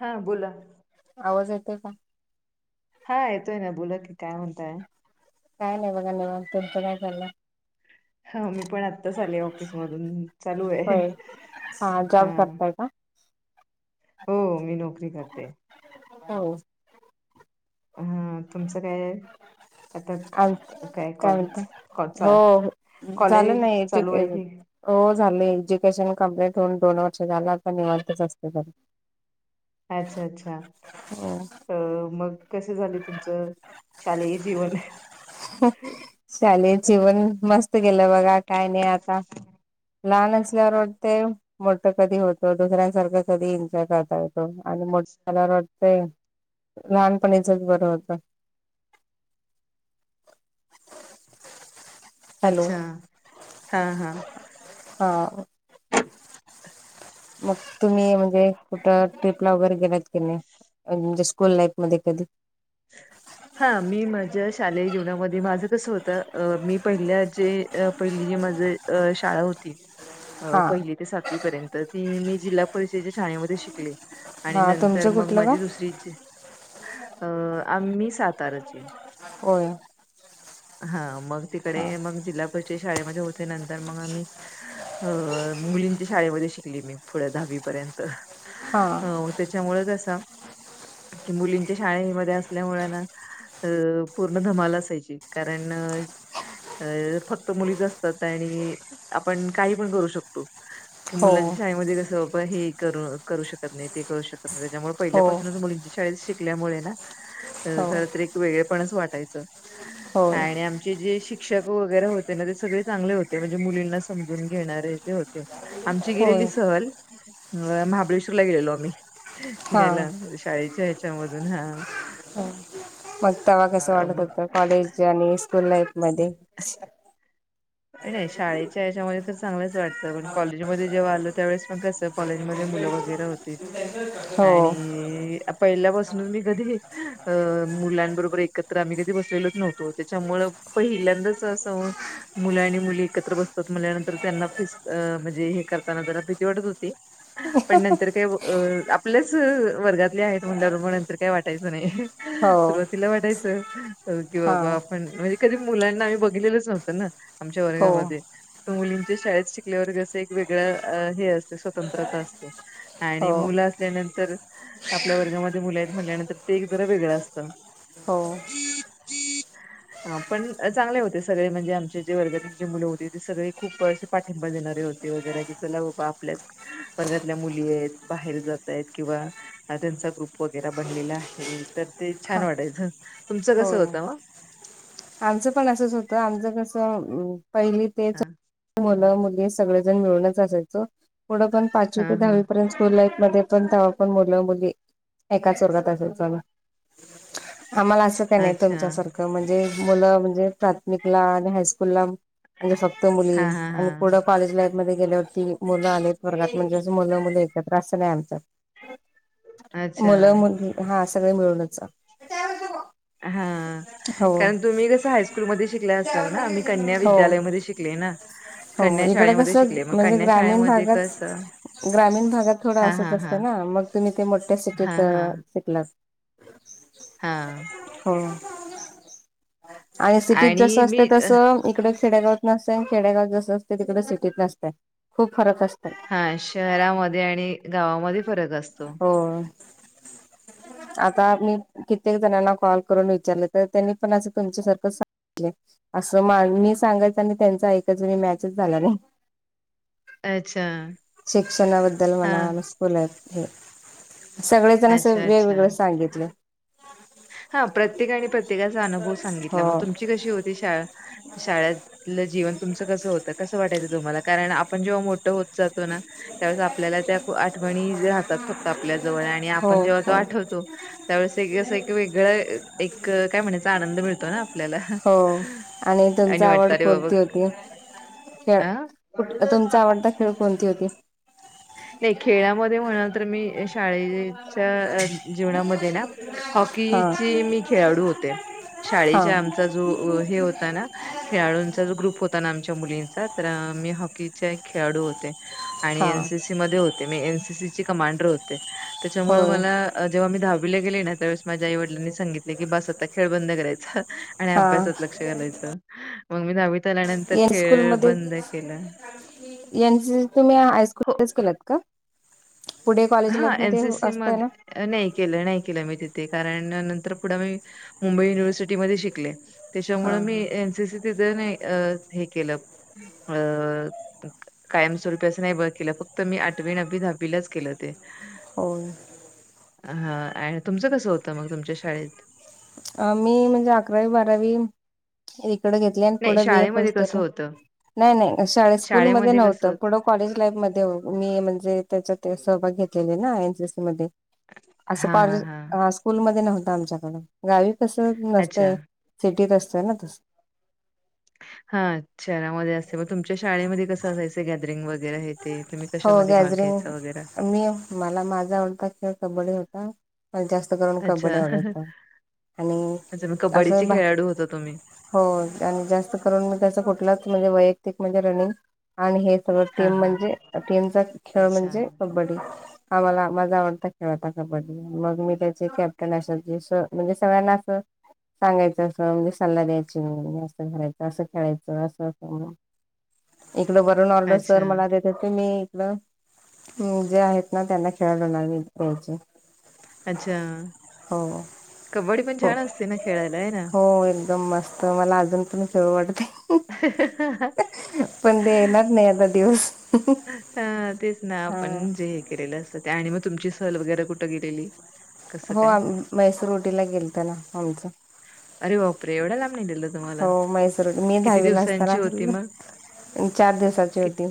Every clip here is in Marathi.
हा बोला. आवाज येतोय का? हा येतोय ना बोला की काय म्हणताय. काय नाही बघा निवांत. तुमच काय चालंय? हा मी पण आत्ताच आले ऑफिस मधून चालू आहे. होय. जॉब हा! करताय का? हो मी नोकरी करते. हो. हा तुमचं काय आता आम काय कॉलेजच- कोचा हो झालं नाही [unintelligible] हो झाले एज्युकेशन कंप्लीट होऊन दोन वर्ष झालं. आता निवांतच असते घरी. अच्छा! अच्छा! हो. अ मग कस झाले तुमचं शालेय जीवन? शालेय जीवन मस्त गेलं बघा काय नाही आता. लहान असल्यावर अच्छा वाटते मोठ कधी होतो, दुसऱ्यांसारखं कधी एन्जॉय करता येतो. आणि मोठ झाल्यावर वाटतय लहानपणीचच बरं होत. हॅलो अच्छा! हा हा. हा. मग तुम्ही म्हणजे कुठं ट्रिपला वगैरे गेलात की नाही? म्हणजे स्कूल लाईफमध्ये कधी. [inaudible] हा मी माझ्या शालेय जीवनामध्ये माझं कसं होतं अ मी पहिल्या जे अ- पहिली जे माझं अ शाळा होती. अ हा पहिली ते सातवी पर्यंत ती मी जिल्हा परिषदेच्या शाळेमध्ये शिकले. आणि हा नंतर तुमचं मग कुठलं गाव? माझी दुसरीच अ आम्ही साताराची. कोय. हा मग तिकडे मग जिल्हा परिषद शाळेमध्ये होते. नंतर मग आम्ही अ मुलींच्या शाळेमध्ये शिकली मी पुढ दहावी पर्यंत. हा. तेच्यामुळ जसा की मुलींच्या शाळेमध्ये असल्यामुळें ना, अ पूर्ण धमाला असायची कारण अ फक्त मुलीच असतात आणि आपण काही पण करू शकतो. की हो मुलांच्या शाळेमध्ये कसं प हे करू -करू शकत नाही, ते करू शकत नाही, त्याच्यामुळे हो पहिल्यापासूनच मुलींची शाळेत शिक ल्यामुळे ना अ हो खरंत एक वेगळे पणाच वाटायचं. होय आणि आमचे जे शिक क्षक वगैरे होते ना ते सगळे चांगले होते म्हणजे मुलींना समजून घेणारे ते होते. आमची गेलेली होय सहल अ महाबळेश्वरला गेलेलो आम्ही. हा फिरायला शाळेच्या ह्याच्यामधून हा. मग तवा कसा अ, वाटत मग होत कॉलेज आणि स्कूल लाईफ मधे. नाही शाळेच्या याच्यामध्ये तर चांगलंच वाटत पण कॉलेजमध्ये जेव्हा आलो त्यावेळेस मण कसं कॉलेज म मुलं वगैर होती हो आणि पहिल्यापासूनच मी कधी अ मुलांबरोबर एकत्र आम्ही कधी बसलेलोच नव्हतो त्याच्यामुळ पहिल्यांदाच असं. मुलं आणि मुली एकत्र बसतात मुल्यानंतर त्यांना फीस म्हणजे हे करताना त्यांना भीती वाटत होती. पण नंतर काय अ आपल्याच वर्गातले आहेत म्हंल्यावर म नंतर काय वाटायचं नाही. हो सुरुवातीला वाटायचं. की हा बाबा आपण म्हणजे कधी मुलांना आम्ही बघितलेलंच नव्हतं ना. आमच्या हो वर्गामध्ये. मुलींच्या शाळेत शिकल्यावर कस एक वेगळं हे असते स्वतंत्रता असते. हो आणि मुलं असल्यानंतर. आपल्या वर्गामध्ये मुल आहेत म्हणल्यानंतर ते एक जरा वेगळं असतं. हो. हा पण चांगले होते सगळे म्हणजे आमचे. जे वर्गातील जी मुलं होती ती सगळे खूप असे पाठिंबा देणारे होते वगैरे की चला बाबा आपल्याच वर्गातल्या मुली आहेत बाहेर जातय आहेत किंवा. त्यांचा ग्रुप वगैरे बनलेला आहे तर ते छान हा वाटायचं तुमचं कसं होय होतं म आमचं पण असंच होतं आमचं कसं पहिली ते हा चौ मुलं मुली सगळेजण मिळूनच असायचं पुढ पण हा पाचवी ते हा दहावी पर्यंत. स्कूल लाईफ मध्ये पण तवा पण मुलं मुली एकाच वर्गात असायचो. आम्हाला असं. नाही अच्छा तुमच्या सारखं म्हणजे मुलं म्हणजे प्राथमिकला आणि हायस्कूलला. म्हणजे फक्त मुली हा हा आणि पुढं हा कॉलेज लाईफ मध्ये गेल्यावरती मुलं आले. वर्गात म्हणजे अस मुलं मुलं एकत्र अस नाही आमच्यात मुलं अच्छा. मुली. हा सगळे मिळूनच जाऊ. हा कारण तुम्ही कसं हायस स्कूल मध्ये शिकल्या असाल ना मी कन्या हो विद्यालया मध्ये शिकले ना. हो कन्या इकडं शाळेमध्ये कसं शिकले मग म्हणजे कन्या ग्रामीण शाळेमध्ये भागात कसं. ग्रामीण भागात थोडं हा असच हा असत हा ना मग तुम्ही ते मोठ्या हा सिटीत हा शिकलात. हा. हो. आणि सिटीत जसं असते तसं. इकडं खेड्यागावात नसतं आणि खेड्यागावात जसं असते तिकडें सिटीत नसत खूप फरक असत. हा शहरामध्ये आणि गावामध्ये फरक असतो. हो आता आम्ही. कित्येक जणांना कॉल करून विचारलं तर त्यांनी पण असं तुमच्यासारखं सांगितले. असं मा मी सांगायचं आणि त्यांच ऐकायचं अस मॅचच झाला नाही. अच्छा शिक्षणाबद्दल हा मना न. ला हे सगळेजण अस अच्छा अच्छा वेगवेगळं सांगितलं. हा प्रत्येकाने प्रत्येकाचा अनुभव सांगितला मग हो तुमची कशी होती शाळा. शाळेतल जीवन तुमचं कसं होतं कसं वाटायचं तुम्हाला कारण आपण जेव्हा मोठं होत जातो ना. त्यावेळेस आपल्याला त्या आठवणी राहतात फक्त आपल्या जवळ आणि हो आपण जेव्हा तो हो आठवतो- त्यावेळेस असं एक वेगळं, एक काय म्हणायचा त्याचा आनंद मिळतो ना? आपल्याला हो आणि तुमच वाटत आवड रे बाबा कोणती होती? खेळ. अ कुठ- तुमचा आवडता खेळ कोणती होती? नाही खेळामध्ये म्हणाल तर मी शाळे- च्या जीवनामध्ये ना, हा हॉकीची मी खेळाडू होते. हा शाळेच्या- त जो हे होता ना, खेळाडूंचा जो ग्रुप होता ना आमच्या मुलींचा, तर मी हॉकीच्या- खेळाडू होते. आणि हा एन सी सी मध्ये होते मी, एन सी सी ची कमांडर होते, त्याच्यामुळे होय मला- जेव्हा मी दहावीला गेली ना, त्यावेळेस माझ्या आई वडीलानी सांगितले की, बास आता खेळ बंद करायचा- आणि हा अभ्यासात लक्ष घालायचं, मग मी दहावीत आल्यानंतर खेळ बंद केल. यांच- [unintelligible] तुम्ही हो. हायस्कूलच केलात का? पुढे कॉलेज लाईफ हा मध्ये एनसीसी असतय ना? मध्ये नाही, केलं नाही, केलं मी तिथे कारण नंतर पुढं मी- मुंबई युनिव्हर्सिटीमध्ये शिकले, हा त्याच्यामुळे मी हा एन सी सी तिथे नाही हे केलं- अ.. कायमस्वरूपी असं नाही बंद केलं, फक्त मी आठवी, नववी, दहावीलाच केलं. ते- हो ना. हा आणि तुमचं कसं होतं मग तुमच्या शाळेत? मी म्हणजे अकरावी, बारावी इकड घेत- नाही शाळेमध्ये कसं होतं नाही शाळेमध्ये कसं होत? [unintelligible] कॉलेज लाईफ मध्ये मी म्हणजे त्याच्यात सहभाग घेतलेले ना एन सी सी मध्ये. असं हा हा कॉलेज हा ह स्कूलमध्ये नव्हतं आमच्याकडे, गावी तस नसतय. अच्छा सिटीत असतय ना तस? हा शहरामध्ये असते, मग तुमच्या शाळेमध्ये कसं असायचं गॅदरिंग वगैरे हे? ते, तुम्ही हो कशामध्ये भाग गॅदरिंग घ्यायचा वगैरे? मी मला माझा आवडता खेळ कबड्डी होता. मला जास्त करून कबड्डी अच्छा आवडायचं आणि अच्छा मग कबड्डीचे असं बा- खेळाडू होता तुम्ही. हेर आणि जास्त करून मी त्याचा कुठलाच म्हणजे वैयक्तिक म्हणजे रनिंग- आणि हे सगळं टीम हां, हां. म्हणजे, टीमचा खेळ अच्छा, म्हणजे कबड्डी. हा मला माजा आवडता खेळता कबड्डी, मग मी त्याचे कॅप्टन असल जे स म्हणजे सगळ्यांना असं- सांगायचं अस म्हणजे सल्ला द्यायची, नसत करायचं असं खेळायचं असं असं म्हणून. इकडं बरून ऑलर सर अच्छा, मला [unintelligible] तु मी इथलं जे आहेत ना त्यांना खेळाळ लावी द्यायचे [unintelligible] अच्छा. हो. कबड्डी पण हो. छान असते ना खेळायला, हे ना? हो एकदम मस्त मला अजून पण खेळू वाटतंय. [inaudible] पण ते येणार नाही आता दिवस. हा तेच ना, हा आपण जे हे केलेलं असत ते आणि मग तुमची सहल वगैरे कुठं गेलेली? कसं हो काय? आम म्हैसूर उटीला गेलत ना आमचं. अरे बापरे! एवढ्या लांब नेलेलं तुम्हाला? हो, मैसूर- मी किती दहावीला असताना दिवसांची होती गेले- मग? ते चार दिवसाची कित होती.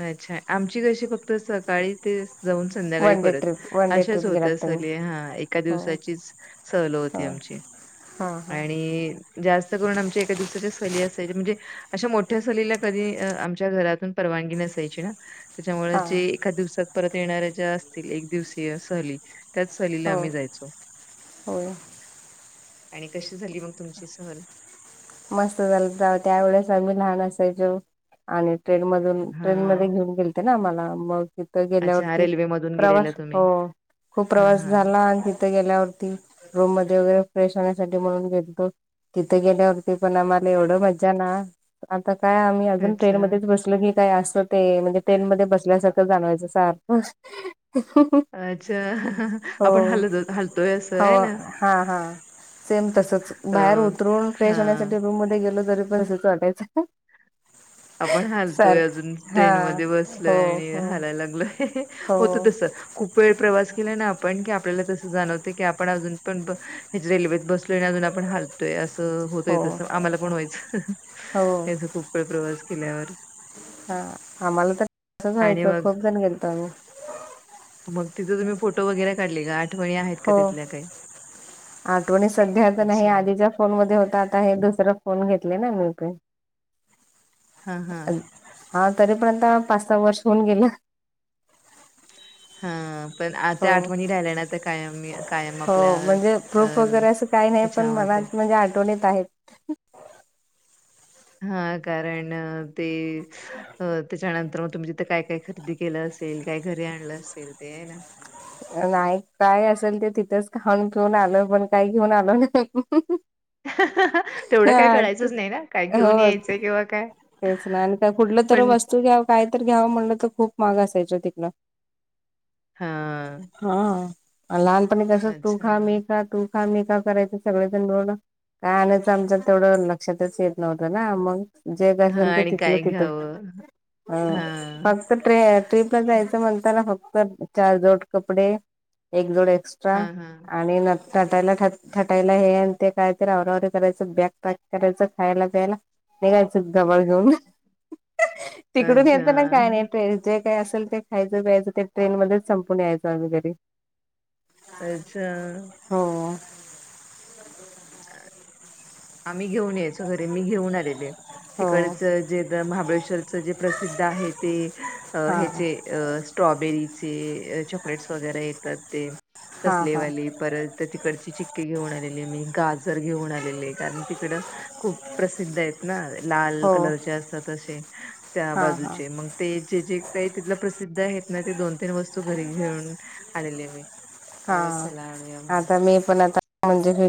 अच्छा आमची कशी फक्त सकाळी ते जाऊन संध्याकाळी वन डे परत ट्रिप वन डे अशाच ट्रिप होत गेलात तुम्ही सहली हा एका हो हो दिवसाची सहल हो ती आमची हां हां आणि जास्त करून आमच्या एका दिवसाच्या सहली असायच म्हणजे अश्या मोठ्या सलीला कधी आमच्या घरातून परवानगी नसायची ना. तेच्यामुळ जे हां एका दिवसात परत येणाऱ्या ज्या असतील एक दिवसीय सहली त्याच सहलीला आम्ही जायचो. हो. आणि कशी झाली मंग तुमची सहल? मस्त झालं [unintelligible] त्यावेेळेस आम्ही लहान असायचो, आणि ट्रेन मधून ट्रेन हां. मध्ये घेऊन गेलते ना आम्हाला मग तिथं अच्छा गेल्यावरती रेल्वेमधून गेलेला प्रवास तुम्ही. हो खूप हां, प्रवास हां. झाला आण ही तिथ गेल्यावरती रूम मध्ये वगैरे फ्रेश होण्यासाठी म्हणून गेलतो तिथ गेल्यावरती पण आम्हाला एवढं मज्जा ना आता काय आम्ही अजून ट्रेन अच्छा, मध्येच बसलो की काय आस ते म्हणजे ट्रेन मध्ये बसल्यासारखं जाणवायचं सारखं. अच्छा. हो आपण हलत होत हलतोय असं आहे हो ना? हा हा, सेम तसच अ, बाहेर उतरून फ्रेश हां. होण्यासाठी रूम मध्ये गेलो तरीपण तसचं वाटायचं. आपण हालतोय सारख आजून हा ट्रेनमध्ये हो बसलय आणि हो हालाय लागलोय, हो होत तस खूप वेळ प्रवास केला ना आपण की आपल्याला तसं जाणवत की आपण अजून पण हे रेल्वेत बसलो [unintelligible] आपण हालतोय असं होतय हो तस आम्हाला पण व्हायचं हो वायच खूप प्र-प्रवास केल्यावर. हा आम्हाला तर तसचं आणि व्हायचं, मग खूप जण गेलतो आम्ही. मग तिथ तुम्ही फोटो वगैरे काढले का? आठवणी आहेत हो का तिथल्या काही? आठवणी सध्या तर नाही अच्छा आधीच्या फोन मध्ये होता आता हे दुसर फोन घेतले ना मी पण. हा हा हा तरीपर्यंत पाच सहा वर्ष होऊन गेलं. हा पण आ हो त्या आठवणी राहिल्या ना त कायम मी कायम आपल्या अ जरासं काही नाही पण ह्याच्यामध्ये मनात म्हणजे आठवणीत आहेत. हा कारण ते अ त्याच्यानंतर म तुम्ही तिथं काय काय खरेदी केलं असेल? काय घरी आणलं असेल ते आहे ना? नाही काय असेल ते तिथंच खाऊन पिऊन आलं पण काही घेऊन आलो नाही. तेवढं काय हा कळायचंच नाही ना काय घेऊन हो यायचं किंवा काय. तेच ना आणि कुठलं तर पण वस्तू घ्याव काय तर घ्यावं म्हणलं तर खूप महाग असाय तिकड. हा. हा लहानपणी कस तू खा मी खा तू खा मी का करायचं सगळजण मिळून काय आणायचं आमच तेवढं लक्षातच येत नव्हतं ना, मग जे काय हां आसेल ते आणि तिथल्या काय तिथं घ्यावं? हा हां, पाच चं ट्रे ट्रिपला जायचं म्हणताना फक्त चार जोड कपडे एक जोड एक्स् चा हां, हां. आणि न नटायला थ थटायला हे आणि ते कायतर आवराआवरी करायचं बॅग पॅक करायचं खायला प्यायला निघायचं गबाळ घेऊन. तिकडून अच्छा, येताना काय नाही ते जे काय असेल ते खायचं प्यायच ते ट्रेनमध्येच संप पून यायचो आम्ही घरी. अच्छा. हो. आम्ही घेऊन यायच घर मी घेऊन आलेले. हो तिकडच जे महाबळेश्वरच जे प्रसिद्ध आहे ते अ हां ह्याचे अ स्ट्रॉबेरीचे, चॉकलेट्स वगैरे येतात ते हां हां तसलेवाले. परत तिकडची चिक्की घेऊन आलेले मी गाजर घेऊन आलेले कारण तिकड खूप प्रसिद्ध आहेत ना लाल हो कलरचे असतात असे त्या हां हां बाजूचे मग ते जे जे काही तिथलं प्रसिद्ध आहेत ना ते दोन तीन वस्तू घरी घेऊन आलेली मी. त्यावर हा, चला आणूया म्हणून. आता मी पण आता म्हणजे [unintelligible]